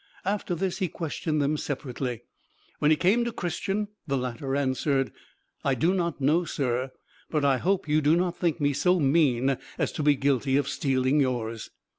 After this he questioned them separately; when he came to Christian, the latter answered, "I do not know, sir, but I hope you do not think me so mean as to be guilty of stealing yours."